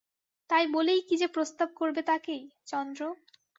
তাই বলেই কি যে প্রস্তাব করবে তাকেই– চন্দ্র।